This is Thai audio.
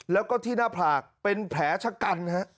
แล้วก็ที่หน้าผากเป็นแผลชะกันฮะ